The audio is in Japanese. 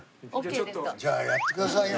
じゃあやってくださいよ。